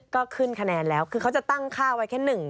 ก็ขึ้นคะแนนแล้วคือเขาจะตั้งค่าไว้แค่หนึ่ง